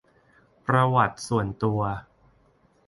ประวัติส่วนตัว